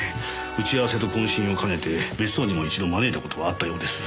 打ち合わせと懇親を兼ねて別荘にも一度招いた事があったようです。